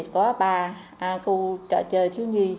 có ba khu trợ chơi thiếu nhi